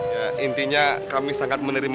ya intinya kami sangat menikmati mereka ya